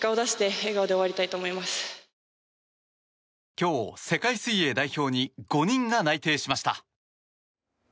今日、世界水泳代表に５人が内定しました。